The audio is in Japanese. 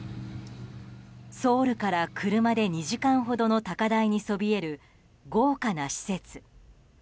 ソウルから車で２時間ほどの高台にそびえる豪華な施設。